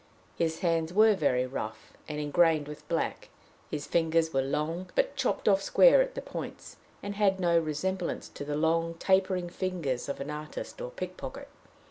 His hands were very rough and ingrained with black; his fingers were long, but chopped off square at the points, and had no resemblance to the long, tapering fingers of an artist or pickpocket.